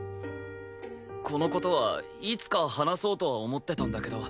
この事はいつか話そうとは思ってたんだけど